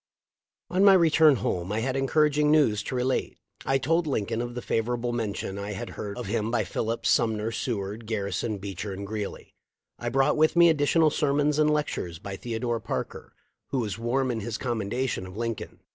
On my return home I had encouraging news to relate. I told Lincoln of the favorable mention I had heard of him by Phillips, Sumner, Seward, Gar rison, Beecher, and Greeley. I brought with me additional sermons and lectures by Theodore Parker, who was warm in his commendation of Lincoln.